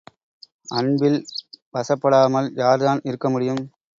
அன்பில் வசப்படாமல் யார்தான் இருக்க முடியும்?